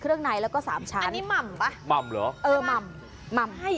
เหมือนหม่ำจะมีตับใน